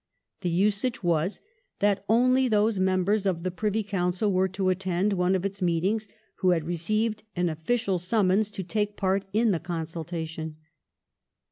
The usage was that only those members of the Privy Council were to attend one of its meetings who had received an official summons to take part in the consultation.